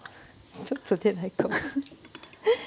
ちょっと出ないかもしれない。